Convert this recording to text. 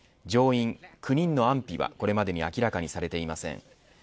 乗員９人の安否はこれまでに明らかにされていません。